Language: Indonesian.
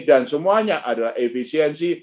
semuanya adalah efisiensi